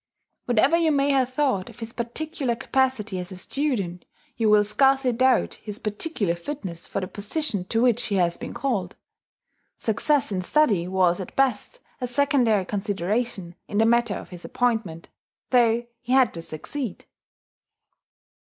Whatever you may have thought of his particular capacity as a student, you will scarcely doubt his particular fitness for the position to which he has been called. Success in study was at best a secondary consideration in the matter of his appointment, though he had to succeed.